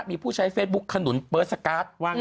มีผู้ใช้เฟซบุ๊กขนุนเปิ้ลสการ์ท